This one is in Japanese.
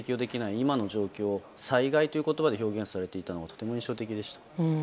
今の状況を災害という言葉で表現されていたのがとても印象的でした。